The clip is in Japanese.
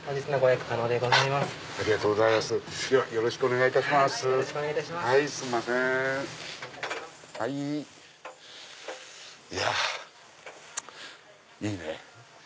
いやいいね！